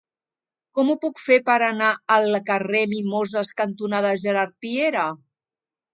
Com ho puc fer per anar al carrer Mimoses cantonada Gerard Piera?